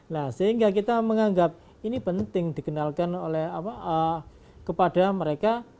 nah sehingga kita menganggap ini penting dikenalkan kepada mereka